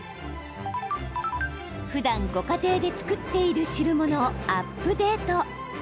ふだん、ご家庭で作っている汁物をアップデート。